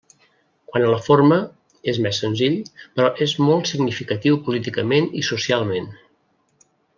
Quant a la forma, és més senzill, però és molt significatiu políticament i socialment.